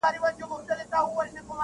• یو انار او سل بیمار -